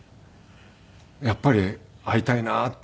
やっぱり会いたいなって